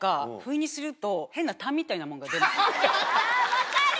分かる！